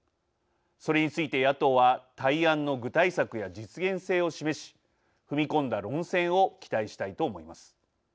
それについて野党は対案の具体策や実現性を示し踏み込んだ論戦を期待したいと思います。